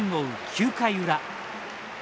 ９回裏。